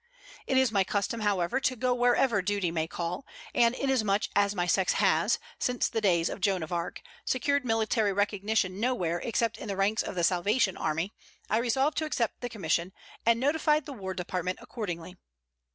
It is my custom, however, to go wherever duty may call, and inasmuch as my sex has, since the days of Joan of Arc, secured military recognition nowhere except in the ranks of the Salvation Army, I resolved to accept the commission, and notified the War Department accordingly.